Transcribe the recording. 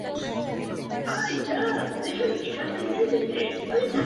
Finalmente se encuentra con el doblaje de los personajes, totalmente en castellano.